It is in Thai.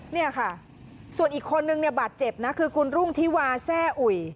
เนี่ยค่ะส่วนอีกคนนึงเนี่ยบาดเจ็บนะคือคุณรุ่งทิวาแซ่อุ่ย